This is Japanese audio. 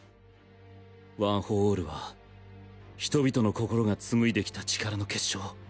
ワン・フォー・オールは人々の心が紡いできた力の結晶。